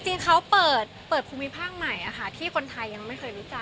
จริงเขาเปิดภูมิภาคใหม่ที่คนไทยยังไม่เคยรู้จัก